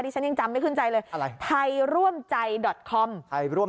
ที่ฉันยังจำไม่ขึ้นใจเลยไทยร่วมใจคอม